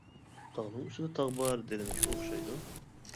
«تاغنىڭ ئۈستىدە تاغ بار» دېگىنى شۇ ئوخشايدۇ.